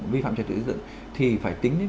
vi phạm trại tự dựng thì phải tính đến